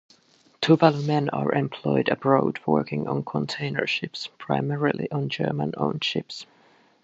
Tuvalu men are employed abroad working on container ships, primarily on German-owned ships.